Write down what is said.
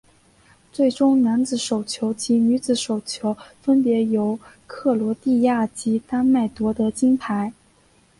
最终男子手球及女子手球分别由克罗地亚及丹麦夺得金牌。